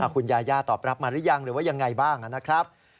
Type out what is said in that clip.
คุณยาย่าตอบรับมาหรือยังหรือว่ายังไงบ้างนะครับ